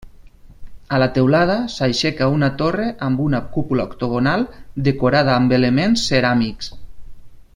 A la teulada s'aixeca una torre amb una cúpula octogonal decorada amb elements ceràmics.